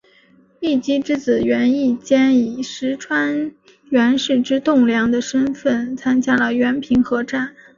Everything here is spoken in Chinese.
义基之子源义兼以石川源氏之栋梁的身份参加了源平合战。